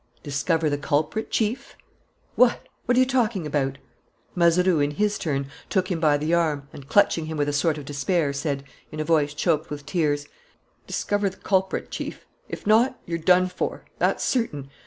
"Discover the culprit, Chief." "What! ... What are you talking about?" Mazeroux, in his turn, took him by the arm and, clutching him with a sort of despair, said, in a voice choked with tears: "Discover the culprit, Chief. If not, you're done for ... that's certain